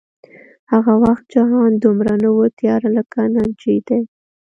هغه وخت جهان دومره نه و تیاره لکه نن چې دی